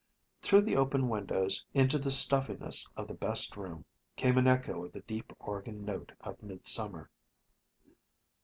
Through the open windows into the stuffiness of the best room came an echo of the deep organ note of midsummer.